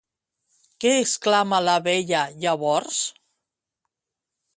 Què exclama la vella, llavors?